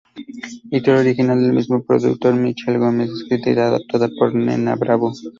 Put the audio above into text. Historia original del mismo productor Michel Gómez; escrita y adaptada por Nena Bravo.